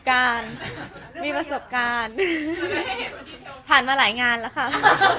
ขอบคุณครับ